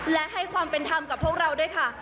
และให้ความเป็นธรรมกับพวกเราด้วยค่ะ